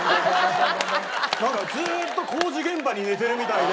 なんかずーっと工事現場で寝てるみたいで。